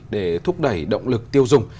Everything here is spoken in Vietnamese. để thúc đẩy động lực tiêu dùng